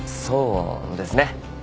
そうですね。